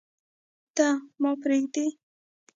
ته، ما پریږدې